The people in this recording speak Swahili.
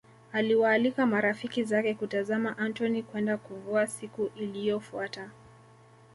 Aliwaalika marafiki zake kutazama Antony kwenda kuvua siku iliyofuata